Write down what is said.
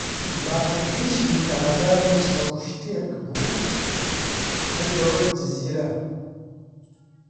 باقییەکەیشیم کە هەزار نوسخە و شتێک بوو بردەوە جزیرە